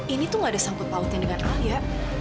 ini tuh gak ada sangkut pautnya dengan ali ya